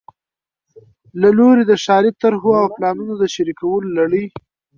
له لوري د ښاري طرحو او پلانونو د شریکولو لړۍ